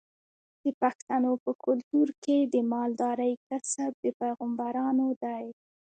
د پښتنو په کلتور کې د مالدارۍ کسب د پیغمبرانو دی.